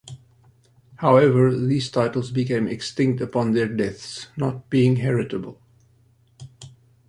However, these titles became extinct upon their deaths, not being heritable.